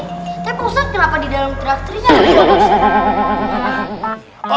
tapi pak ustaz kenapa di dalam terakternya ada